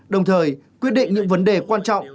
đồng thời quyết định những vấn đề quan trọng